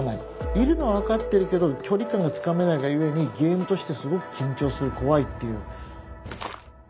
いるのは分かってるけど距離感がつかめないがゆえにゲームとしてすごく緊張する怖いっていう。